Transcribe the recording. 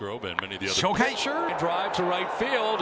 初回。